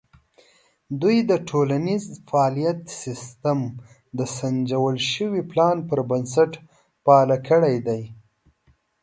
دوی د ټولنیز فعالیت سیستم د سنجول شوي پلان پر بنسټ فعال کړی دی.